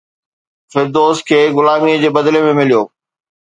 فردوس کي غلاميءَ جي بدلي ۾ مليو